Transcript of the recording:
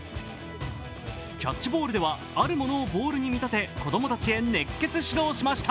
キャッチボールではあるものをボールに見立て子供たちへ熱血指導しました。